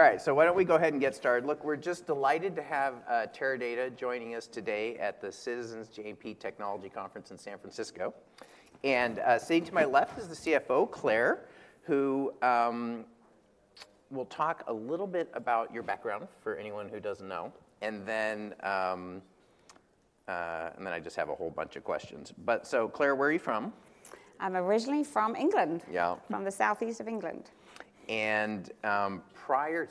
All right, so why don't we go ahead and get started. Look, we're just delighted to have Teradata joining us today at the Citizens JMP Technology Conference in San Francisco. And sitting to my left is the CFO, Claire, who will talk a little bit about your background for anyone who doesn't know. And then I just have a whole bunch of questions. So Claire, where are you from? I'm originally from England, from the Southeast of England. And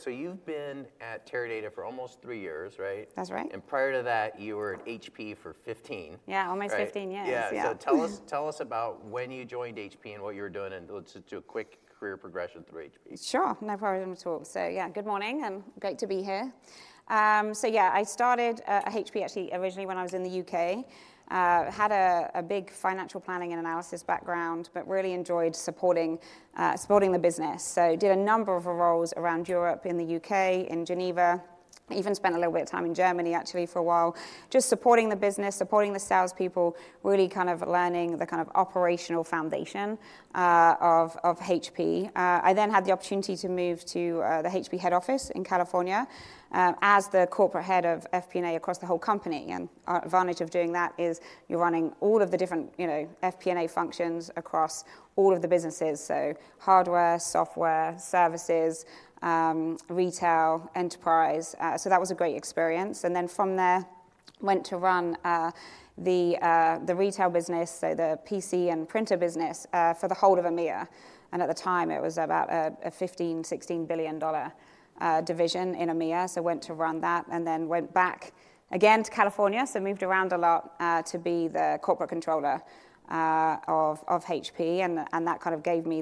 so you've been at Teradata for almost three years, right? That's right. Prior to that, you were at HP for 15. Yeah, almost 15 years. Yeah. So tell us about when you joined HP and what you were doing, and let's just do a quick career progression through HP. Sure, no problem at all. So yeah, good morning, and great to be here. So yeah, I started at HP actually originally when I was in the U.K., had a big financial planning and analysis background, but really enjoyed supporting the business. So did a number of roles around Europe, in the U.K., in Geneva, even spent a little bit of time in Germany actually for a while, just supporting the business, supporting the salespeople, really kind of learning the kind of operational foundation of HP. I then had the opportunity to move to the HP head office in California as the corporate head of FP&A across the whole company. And the advantage of doing that is you're running all of the different FP&A functions across all of the businesses, so hardware, software, services, retail, enterprise. So that was a great experience. And then from there, went to run the retail business, so the PC and printer business, for the whole of EMEA. And at the time, it was about a $15 billion-$16 billion division in EMEA. So went to run that and then went back again to California. So moved around a lot to be the corporate controller of HP. And that kind of gave me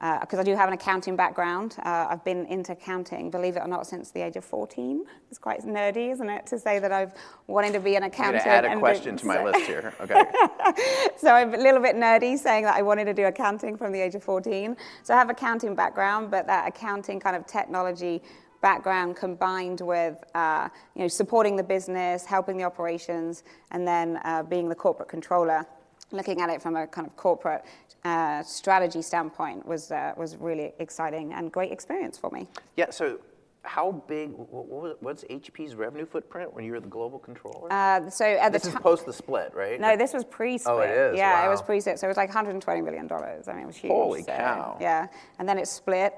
the because I do have an accounting background. I've been into accounting, believe it or not, since the age of 14. It's quite nerdy, isn't it, to say that I've wanted to be an accountant. Yeah, I added a question to my list here. Okay. So I'm a little bit nerdy saying that I wanted to do accounting from the age of 14. So I have an accounting background, but that accounting kind of technology background combined with supporting the business, helping the operations, and then being the corporate controller, looking at it from a kind of corporate strategy standpoint, was really exciting and great experience for me. Yeah. So how big was HP's revenue footprint when you were the global controller? At the time. This is post the split, right? No, this was pre-split. Oh, it is. Yeah, it was pre-split. So it was like $120 billion. I mean, it was huge. Holy cow. Yeah. And then it split.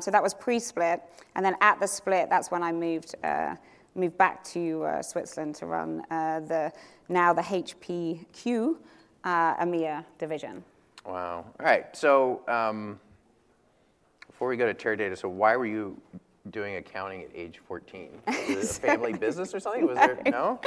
So that was pre-split. And then at the split, that's when I moved back to Switzerland to run now the HPQ EMEA division. Wow. All right. So before we go to Teradata, so why were you doing accounting at age 14? Was it a family business or something? Was there no?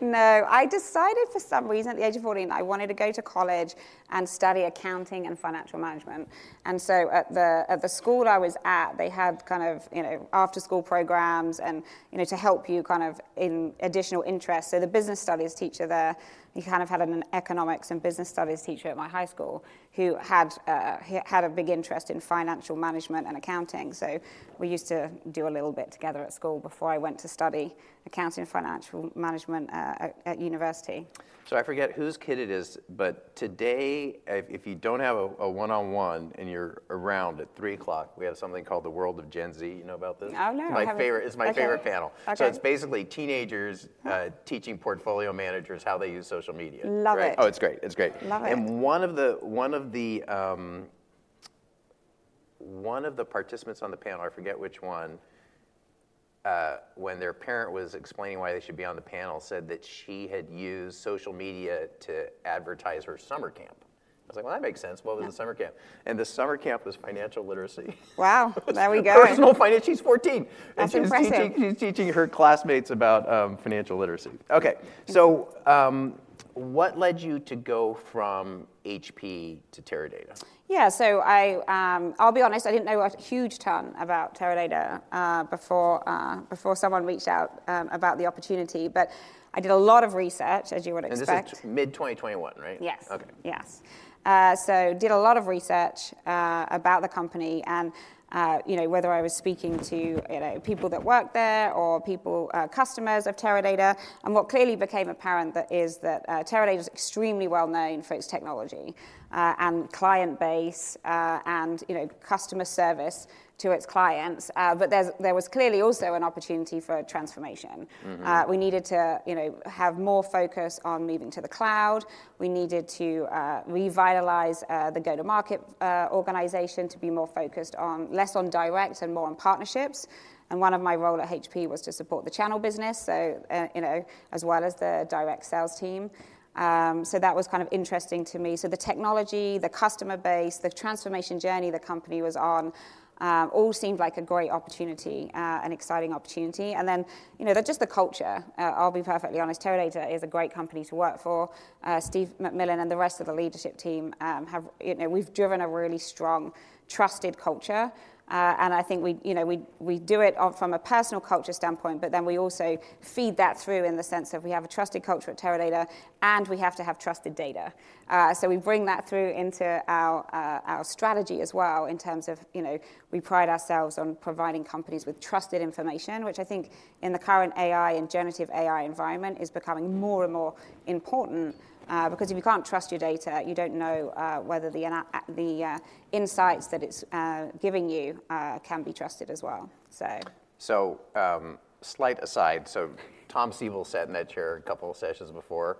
No, I decided for some reason at the age of 14, I wanted to go to college and study accounting and financial management. And so at the school I was at, they had kind of after-school programs to help you kind of in additional interests. So the business studies teacher there, we kind of had an economics and business studies teacher at my high school who had a big interest in financial management and accounting. So we used to do a little bit together at school before I went to study accounting and financial management at university. I forget whose kid it is, but today, if you don't have a one-on-one and you're around at 3:00 PM, we have something called The World of Gen Z. You know about this? Oh, no. It's my favorite panel. It's basically teenagers teaching portfolio managers how they use social media. Love it. Oh, it's great. It's great. Love it. One of the participants on the panel, I forget which one, when their parent was explaining why they should be on the panel, said that she had used social media to advertise her summer camp. I was like, well, that makes sense. What was the summer camp? The summer camp was financial literacy. Wow. There we go. Personal finance. She's 14. That's impressive. She's teaching her classmates about financial literacy. Okay. What led you to go from HP to Teradata? Yeah. So I'll be honest, I didn't know a huge ton about Teradata before someone reached out about the opportunity. But I did a lot of research, as you would expect. This is mid-2021, right? Yes. Yes. So did a lot of research about the company and whether I was speaking to people that work there or customers of Teradata. And what clearly became apparent is that Teradata is extremely well-known for its technology and client base and customer service to its clients. But there was clearly also an opportunity for transformation. We needed to have more focus on moving to the cloud. We needed to revitalize the go-to-market organization to be more focused less on direct and more on partnerships. And one of my roles at HP was to support the channel business, as well as the direct sales team. So that was kind of interesting to me. So the technology, the customer base, the transformation journey the company was on all seemed like a great opportunity, an exciting opportunity. Just the culture, I'll be perfectly honest, Teradata is a great company to work for. Steve McMillan and the rest of the leadership team, we've driven a really strong, trusted culture. I think we do it from a personal culture standpoint, but then we also feed that through in the sense of we have a trusted culture at Teradata, and we have to have trusted data. We bring that through into our strategy as well in terms of we pride ourselves on providing companies with trusted information, which I think in the current AI and generative AI environment is becoming more and more important. Because if you can't trust your data, you don't know whether the insights that it's giving you can be trusted as well. Slight aside, so Tom Siebel sat in that chair a couple of sessions before.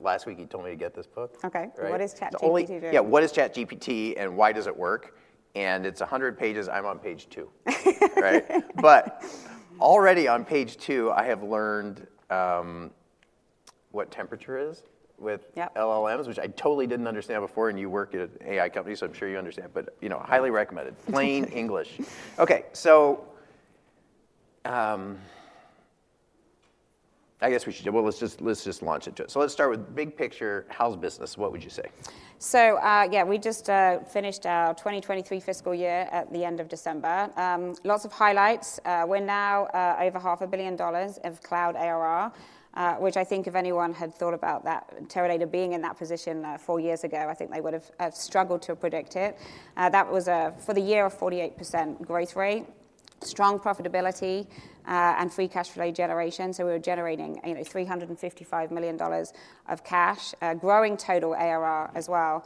Last week, he told me to get this book. Okay. What is ChatGPT, though? Yeah. What is ChatGPT, and why does it work? It's 100 pages. I'm on page two, right? But already on page 2, I have learned what temperature is with LLMs, which I totally didn't understand before. You work at an AI company, so I'm sure you understand. But highly recommended. Plain English. Okay. So I guess we should, well, let's just launch into it. Let's start with big picture. How's business? What would you say? So yeah, we just finished our 2023 fiscal year at the end of December. Lots of highlights. We're now over $500 million of Cloud ARR, which I think if anyone had thought about that, Teradata being in that position four years ago, I think they would have struggled to predict it. That was for the year a 48% growth rate, strong profitability, and free cash flow generation. So we were generating $355 million of cash, growing total ARR as well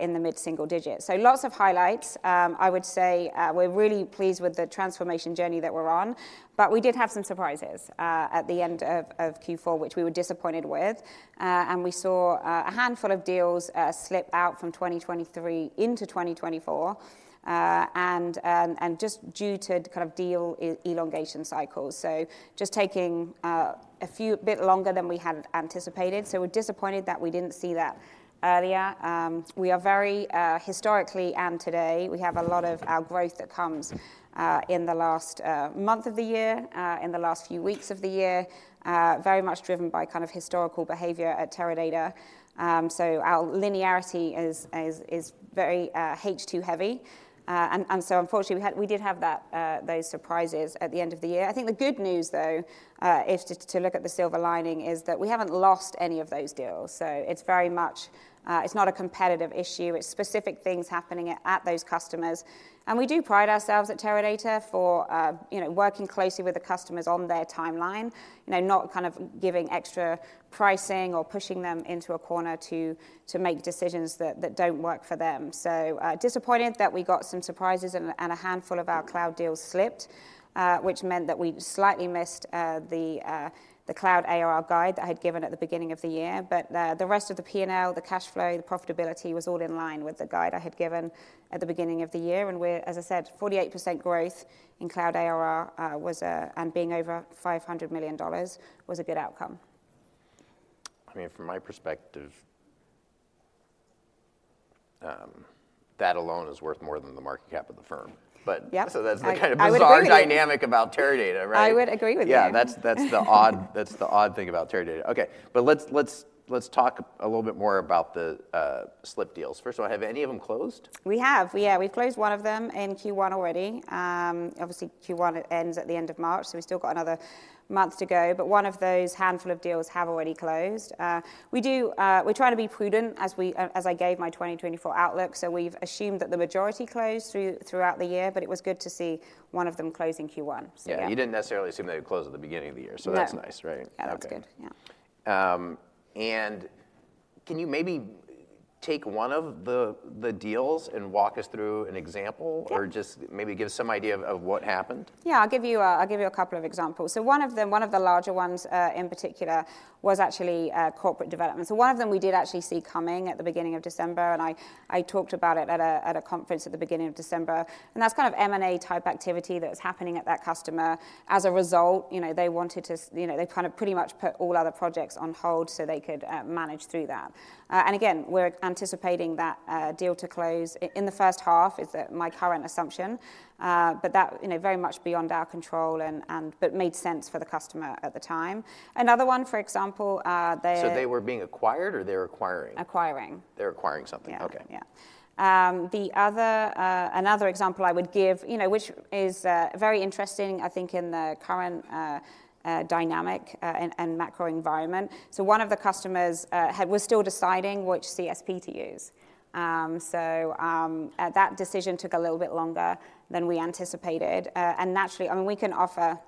in the mid-single digits. So lots of highlights. I would say we're really pleased with the transformation journey that we're on. But we did have some surprises at the end of Q4, which we were disappointed with. And we saw a handful of deals slip out from 2023 into 2024 and just due to kind of deal elongation cycles. So just taking a bit longer than we had anticipated. So we're disappointed that we didn't see that earlier. We are very historically and today, we have a lot of our growth that comes in the last month of the year, in the last few weeks of the year, very much driven by kind of historical behavior at Teradata. So our linearity is very H2-heavy. And so unfortunately, we did have those surprises at the end of the year. I think the good news, though, is to look at the silver lining, is that we haven't lost any of those deals. So it's very much it's not a competitive issue. It's specific things happening at those customers. We do pride ourselves at Teradata for working closely with the customers on their timeline, not kind of giving extra pricing or pushing them into a corner to make decisions that don't work for them. So disappointed that we got some surprises and a handful of our cloud deals slipped, which meant that we slightly missed the Cloud ARR guide that I had given at the beginning of the year. But the rest of the P&L, the cash flow, the profitability was all in line with the guide I had given at the beginning of the year. And as I said, 48% growth in Cloud ARR and being over $500 million was a good outcome. I mean, from my perspective, that alone is worth more than the market cap of the firm. But so that's the kind of bizarre dynamic about Teradata, right? I would agree with you. Yeah. That's the odd thing about Teradata. Okay. But let's talk a little bit more about the slip deals. First of all, have any of them closed? We have. Yeah. We've closed one of them in Q1 already. Obviously, Q1 ends at the end of March. So we've still got another month to go. But one of those handful of deals have already closed. We're trying to be prudent as I gave my 2024 outlook. So we've assumed that the majority closed throughout the year. But it was good to see one of them closing Q1. Yeah. You didn't necessarily assume they would close at the beginning of the year. So that's nice, right? Yeah. That was good. Yeah. Can you maybe take one of the deals and walk us through an example or just maybe give some idea of what happened? Yeah. I'll give you a couple of examples. So one of the larger ones in particular was actually corporate development. So one of them we did actually see coming at the beginning of December. And I talked about it at a conference at the beginning of December. And that's kind of M&A type activity that was happening at that customer. As a result, they wanted to they kind of pretty much put all other projects on hold so they could manage through that. And again, we're anticipating that deal to close in the first half is my current assumption, but that very much beyond our control but made sense for the customer at the time. Another one, for example, they. They were being acquired, or they're acquiring? Acquiring. They're acquiring something. Okay. Yeah. Yeah. Another example I would give, which is very interesting, I think, in the current dynamic and macro environment. So one of the customers was still deciding which CSP to use. So that decision took a little bit longer than we anticipated. And naturally, I mean, we can offer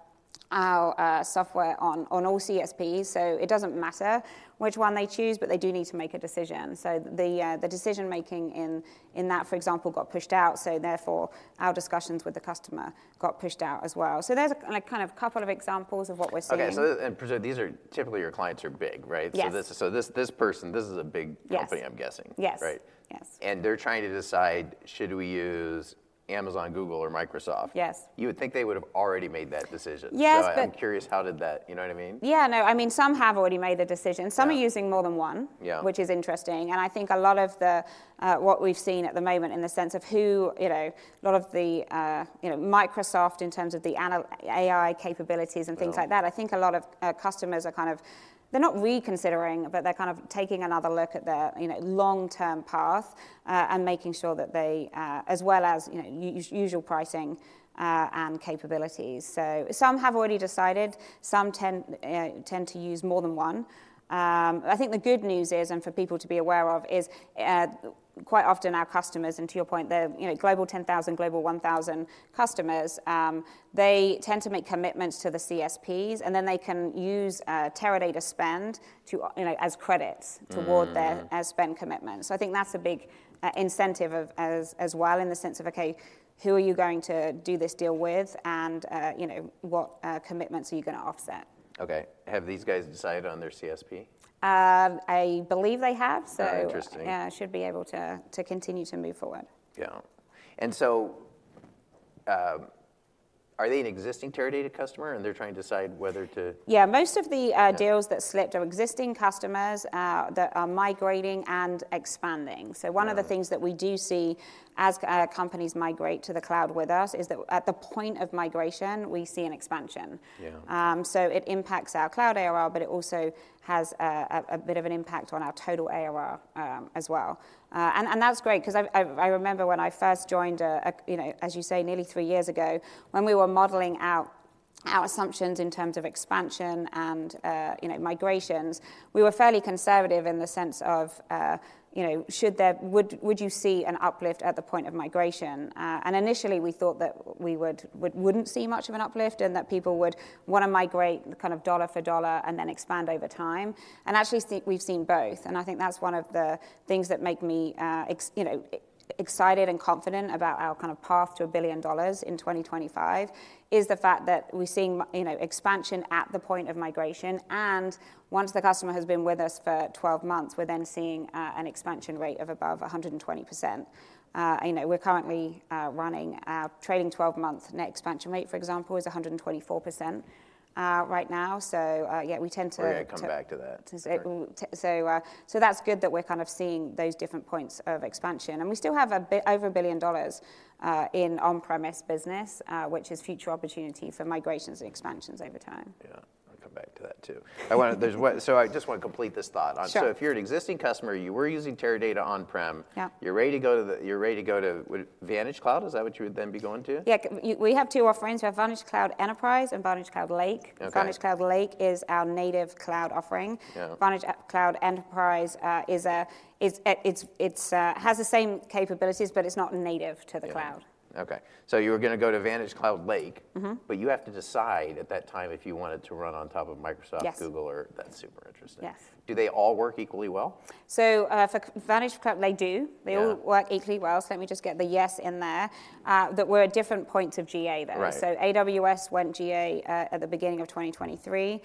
our software on all CSPs. So it doesn't matter which one they choose, but they do need to make a decision. So the decision-making in that, for example, got pushed out. So therefore, our discussions with the customer got pushed out as well. So there's kind of a couple of examples of what we're seeing. Okay. And so these are typically your clients are big, right? So this person, this is a big company, I'm guessing, right? Yes. Yes. They're trying to decide, should we use Amazon, Google, or Microsoft? Yes. You would think they would have already made that decision. So I'm curious, how did that you know what I mean? Yeah. No. I mean, some have already made the decision. Some are using more than one, which is interesting. And I think a lot of what we've seen at the moment in the sense of who a lot of the Microsoft in terms of the AI capabilities and things like that, I think a lot of customers are kind of they're not reconsidering, but they're kind of taking another look at their long-term path and making sure that they as well as usual pricing and capabilities. So some have already decided. Some tend to use more than one. I think the good news is, and for people to be aware of, is quite often our customers, and to your point, they're global 10,000, global 1,000 customers, they tend to make commitments to the CSPs. And then they can use Teradata spend as credits toward their spend commitments. So I think that's a big incentive as well in the sense of, okay, who are you going to do this deal with, and what commitments are you going to offset? Okay. Have these guys decided on their CSP? I believe they have. So yeah, I should be able to continue to move forward. Yeah. And so are they an existing Teradata customer, and they're trying to decide whether to? Yeah. Most of the deals that slipped are existing customers that are migrating and expanding. So one of the things that we do see as companies migrate to the cloud with us is that at the point of migration, we see an expansion. So it impacts our Cloud ARR, but it also has a bit of an impact on our total ARR as well. And that's great because I remember when I first joined, as you say, nearly three years ago, when we were modeling out assumptions in terms of expansion and migrations, we were fairly conservative in the sense of, should there would you see an uplift at the point of migration? And initially, we thought that we wouldn't see much of an uplift and that people would want to migrate kind of dollar for dollar and then expand over time. And actually, we've seen both. And I think that's one of the things that make me excited and confident about our kind of path to $1 billion in 2025 is the fact that we're seeing expansion at the point of migration. And once the customer has been with us for 12 months, we're then seeing an expansion rate of above 120%. We're currently running trailing 12 months net expansion rate, for example, is 124% right now. So yeah, we tend to. We're going to come back to that. That's good that we're kind of seeing those different points of expansion. We still have over $1 billion in on-premise business, which is future opportunity for migrations and expansions over time. Yeah. I'll come back to that too. So I just want to complete this thought. So if you're an existing customer, you were using Teradata on-prem, you're ready to go to VantageCloud. Is that what you would then be going to? Yeah. We have two offerings. We have VantageCloud Enterprise and VantageCloud Lake. VantageCloud Lake is our native cloud offering. VantageCloud Enterprise has the same capabilities, but it's not native to the cloud. Okay. So you were going to go to VantageCloud Lake, but you have to decide at that time if you wanted to run on top of Microsoft, Google, or that's super interesting. Do they all work equally well? So for VantageCloud, they do. They all work equally well. So let me just get the yes in there that we're at different points of GA, though. So AWS went GA at the beginning of 2023.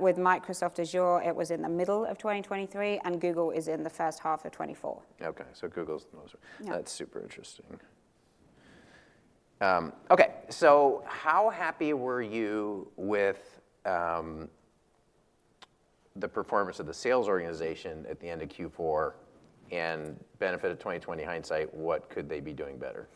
With Microsoft Azure, it was in the middle of 2023. And Google is in the first half of 2024. Okay. So Google's the most that's super interesting. Okay. So how happy were you with the performance of the sales organization at the end of Q4? And benefit of 2020 hindsight, what could they be doing better?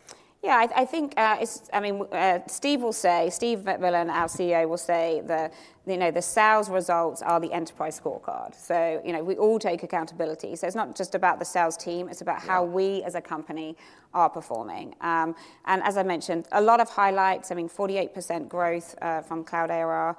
Yeah. I think I mean, Steve will say Steve McMillan, our CEO, will say the sales results are the enterprise scorecard. So we all take accountability. So it's not just about the sales team. It's about how we as a company are performing. And as I mentioned, a lot of highlights. I mean, 48% growth from cloud ARR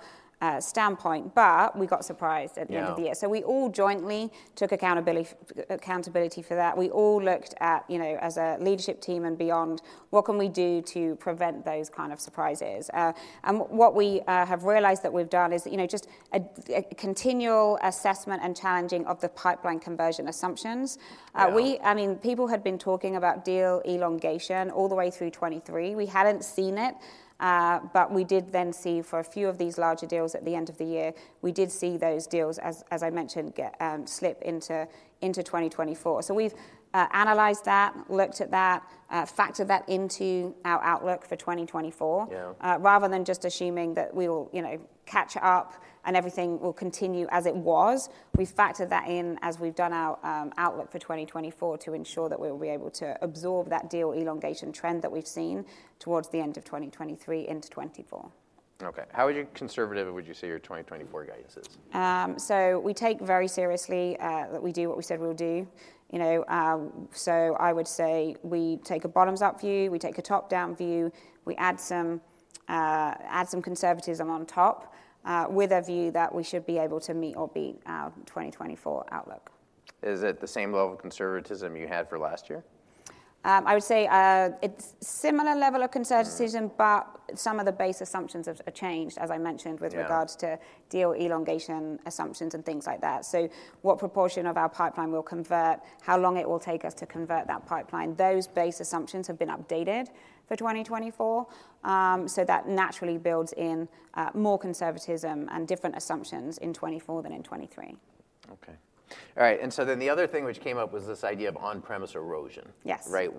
standpoint. But we got surprised at the end of the year. So we all jointly took accountability for that. We all looked at as a leadership team and beyond, what can we do to prevent those kind of surprises? And what we have realized that we've done is just a continual assessment and challenging of the pipeline conversion assumptions. I mean, people had been talking about deal elongation all the way through 2023. We hadn't seen it. But we did then see for a few of these larger deals at the end of the year, we did see those deals, as I mentioned, slip into 2024. So we've analyzed that, looked at that, factored that into our outlook for 2024 rather than just assuming that we will catch up and everything will continue as it was. We've factored that in as we've done our outlook for 2024 to ensure that we'll be able to absorb that deal elongation trend that we've seen towards the end of 2023 into 2024. Okay. How conservative would you say your 2024 guidance is? So we take very seriously that we do what we said we'll do. So I would say we take a bottoms-up view. We take a top-down view. We add some conservatism on top with a view that we should be able to meet or beat our 2024 outlook. Is it the same level of conservatism you had for last year? I would say it's a similar level of conservatism, but some of the base assumptions have changed, as I mentioned, with regards to deal elongation assumptions and things like that. So what proportion of our pipeline will convert, how long it will take us to convert that pipeline, those base assumptions have been updated for 2024. So that naturally builds in more conservatism and different assumptions in 2024 than in 2023. Okay. All right. And so then the other thing which came up was this idea of on-premise erosion, right?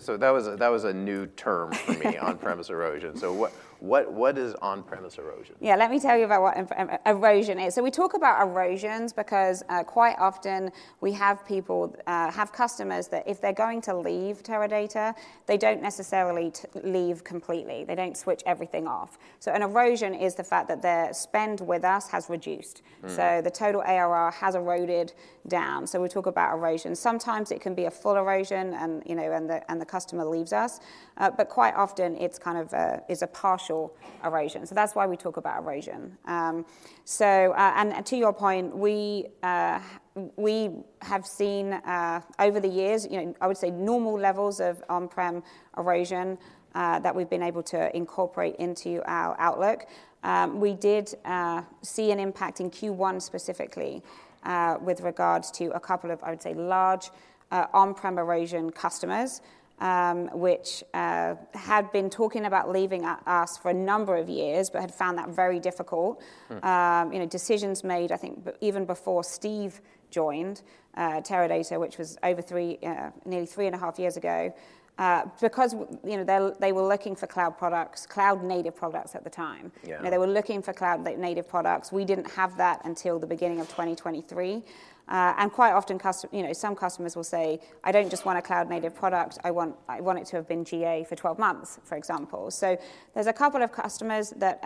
So that was a new term for me, on-premise erosion. So what is on-premise erosion? Yeah. Let me tell you about what erosion is. We talk about erosions because quite often, we have people, have customers that if they're going to leave Teradata, they don't necessarily leave completely. They don't switch everything off. An erosion is the fact that their spend with us has reduced. The total ARR has eroded down. We talk about erosion. Sometimes it can be a full erosion, and the customer leaves us. But quite often, it's kind of a partial erosion. That's why we talk about erosion. And to your point, we have seen over the years, I would say, normal levels of on-prem erosion that we've been able to incorporate into our outlook. We did see an impact in Q1 specifically with regards to a couple of, I would say, large on-prem erosion customers, which had been talking about leaving us for a number of years but had found that very difficult. Decisions made, I think, even before Steve joined Teradata, which was over 3, nearly 3.5 years ago, because they were looking for cloud products, cloud-native products at the time. They were looking for cloud-native products. We didn't have that until the beginning of 2023. And quite often, some customers will say, "I don't just want a cloud-native product. I want it to have been GA for 12 months," for example. So there's a couple of customers that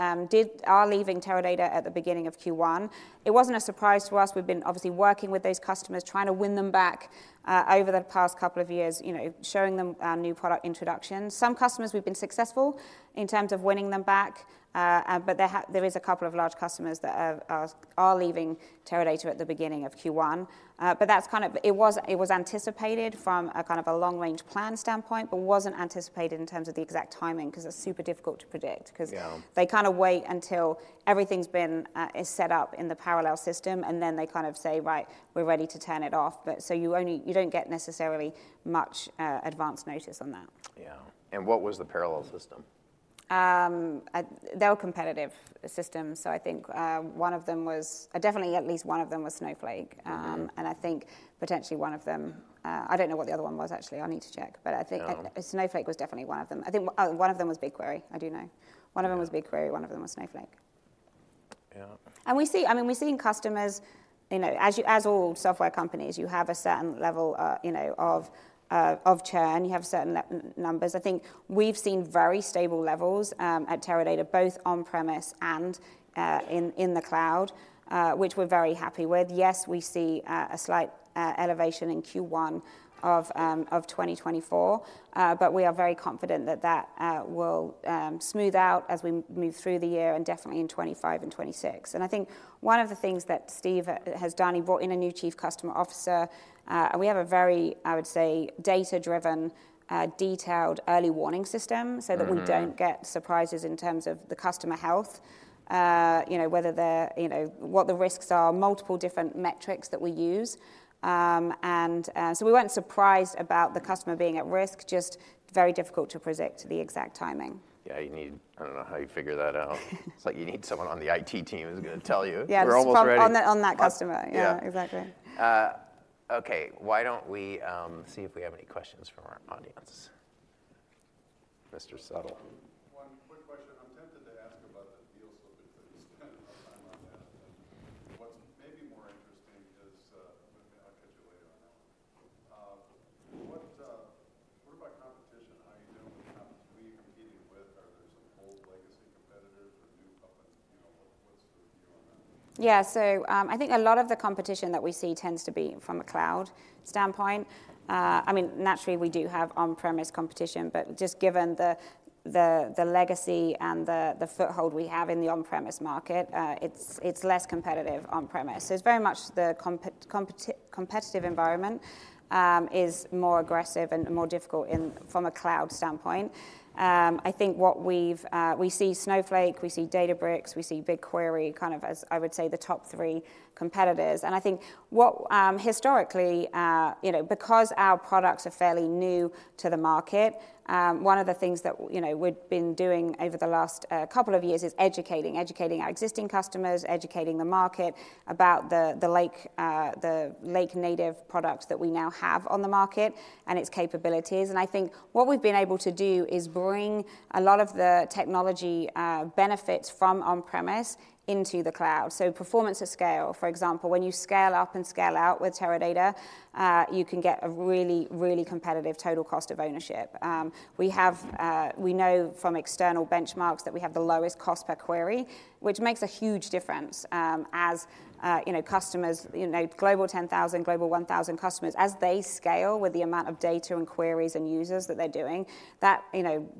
are leaving Teradata at the beginning of Q1. It wasn't a surprise to us. We've been obviously working with those customers, trying to win them back over the past couple of years, showing them our new product introductions. Some customers, we've been successful in terms of winning them back. But there is a couple of large customers that are leaving Teradata at the beginning of Q1. But that's kind of it was anticipated from a kind of a long-range plan standpoint but wasn't anticipated in terms of the exact timing because it's super difficult to predict because they kind of wait until everything's been set up in the parallel system. And then they kind of say, "Right, we're ready to turn it off." So you don't get necessarily much advance notice on that. Yeah. And what was the parallel system? They're a competitive system. So I think one of them was definitely, at least one of them was Snowflake. And I think potentially one of them I don't know what the other one was, actually. I need to check. But I think Snowflake was definitely one of them. I think one of them was BigQuery. I do know. One of them was BigQuery. One of them was Snowflake. And we see, I mean, we see in customers, as all software companies, you have a certain level of churn. You have certain numbers. I think we've seen very stable levels at Teradata, both on-premise and in the cloud, which we're very happy with. Yes, we see a slight elevation in Q1 of 2024. But we are very confident that that will smooth out as we move through the year and definitely in 2025 and 2026. I think one of the things that Steve has done, he brought in a new Chief Customer Officer. We have a very, I would say, data-driven, detailed early warning system so that we don't get surprises in terms of the customer health, whether they're what the risks are, multiple different metrics that we use. So we weren't surprised about the customer being at risk, just very difficult to predict the exact timing. Yeah. I don't know how you figure that out. It's like you need someone on the IT team who's going to tell you, "We're almost ready. Yes. On that customer. Yeah. Exactly. Okay. Why don't we see if we have any questions from our audience? Mr. Suttle. One quick question. I'm tempted to ask about the deal slippage that you spent enough time on that. But what's maybe more interesting is I'll catch you later on that one. What about competition? How are you doing with companies who are you competing with? Are there some old legacy competitors or new up-and-coming? Yeah. So I think a lot of the competition that we see tends to be from a cloud standpoint. I mean, naturally, we do have on-premise competition. But just given the legacy and the foothold we have in the on-premise market, it's less competitive on-premise. So it's very much the competitive environment is more aggressive and more difficult from a cloud standpoint. I think what we see Snowflake. We see Databricks. We see BigQuery kind of as, I would say, the top three competitors. And I think historically, because our products are fairly new to the market, one of the things that we've been doing over the last couple of years is educating, educating our existing customers, educating the market about the lake-native products that we now have on the market and its capabilities. I think what we've been able to do is bring a lot of the technology benefits from on-premise into the cloud. Performance at scale, for example, when you scale up and scale out with Teradata, you can get a really, really competitive total cost of ownership. We know from external benchmarks that we have the lowest cost per query, which makes a huge difference as customers, Global 10,000, Global 1,000 customers, as they scale with the amount of data and queries and users that they're doing, that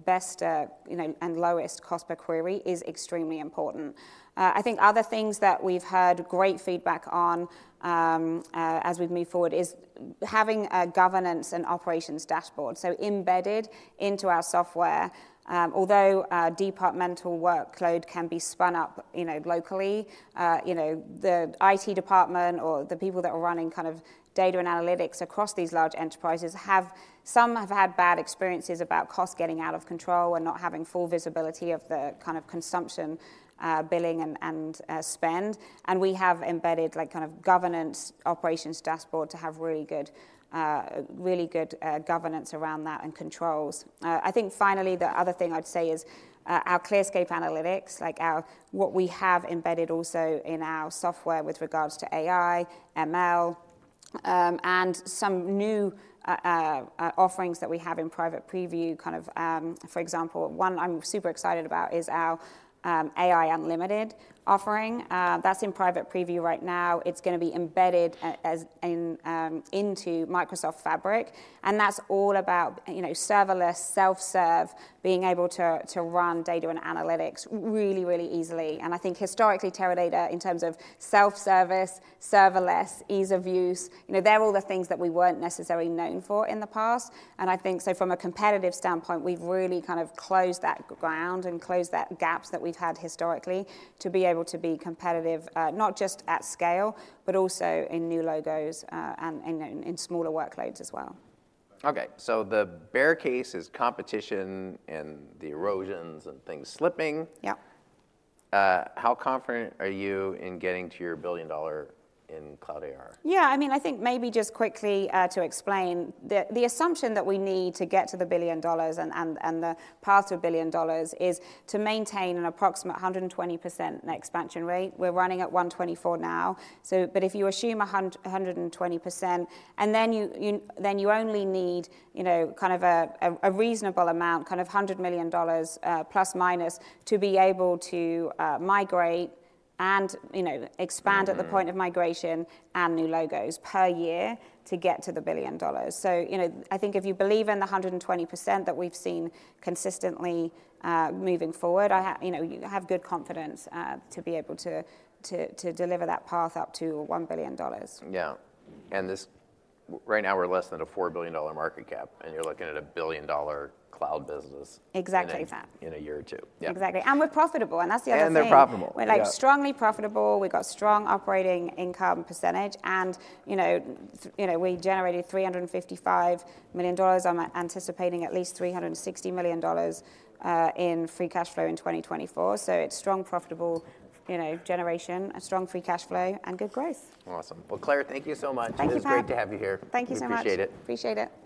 best and lowest cost per query is extremely important. I think other things that we've heard great feedback on as we've moved forward is having a governance and operations dashboard. So embedded into our software, although departmental workload can be spun up locally, the IT department or the people that are running kind of data and analytics across these large enterprises have some had bad experiences about costs getting out of control and not having full visibility of the kind of consumption, billing, and spend. And we have embedded kind of governance, operations dashboard to have really good governance around that and controls. I think finally, the other thing I'd say is our ClearScape Analytics, what we have embedded also in our software with regards to AI, ML, and some new offerings that we have in private preview. Kind of, for example, one I'm super excited about is our AI Unlimited offering. That's in private preview right now. It's going to be embedded into Microsoft Fabric. That's all about serverless, self-serve, being able to run data and analytics really, really easily. I think historically, Teradata, in terms of self-service, serverless, ease of use, they're all the things that we weren't necessarily known for in the past. I think so from a competitive standpoint, we've really kind of closed that ground and closed that gaps that we've had historically to be able to be competitive, not just at scale, but also in new logos and in smaller workloads as well. Okay. So the bear case is competition and the erosions and things slipping. How confident are you in getting to your $1 billion in cloud ARR? Yeah. I mean, I think maybe just quickly to explain, the assumption that we need to get to the $1 billion and the path to a $1 billion is to maintain an approximate 120% expansion rate. We're running at 124% now. But if you assume 120%, and then you only need kind of a reasonable amount, kind of $100 million plus minus, to be able to migrate and expand at the point of migration and new logos per year to get to the $1 billion. So I think if you believe in the 120% that we've seen consistently moving forward, you have good confidence to be able to deliver that path up to $1 billion. Yeah. And right now, we're less than a $4 billion market cap. And you're looking at a billion-dollar cloud business. Exactly that. In a year or two. Exactly. We're profitable. That's the other thing. They're profitable. We're strongly profitable. We've got strong operating income percentage. We generated $355 million. I'm anticipating at least $360 million in free cash flow in 2024. So it's strong profitable generation, strong free cash flow, and good growth. Awesome. Well, Claire, thank you so much. Thank you very much. It was great to have you here. Thank you so much. Appreciate it. Appreciate it.